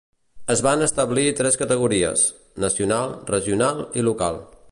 Es van establir tres categories: nacional, regional i local.